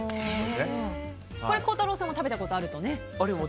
これ、孝太郎さんも食べたことがあると。